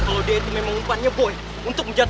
ya udah harus berangkat ya hati hati ya